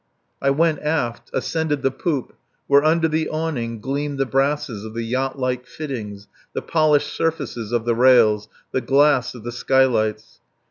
... I went aft, ascended the poop, where, under the awning, gleamed the brasses of the yacht like fittings, the polished surfaces of the rails, the glass of the skylights.